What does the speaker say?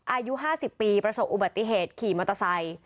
อายุ๕๐ปีประสบอุบัติเหตุขี่มอเตอร์ไซค์